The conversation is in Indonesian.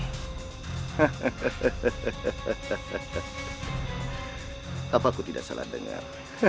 kenapa aku tidak salah dengar